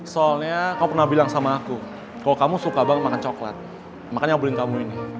soalnya kamu pernah bilang sama aku kalau kamu suka banget makan coklat makan nyambulin kamu ini